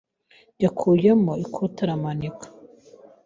yakuyemo ikote aramanika.